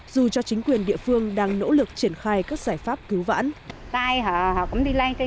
dù cho chính quyền địa phương đang nỗ lực triển khai các giải pháp cứu vãn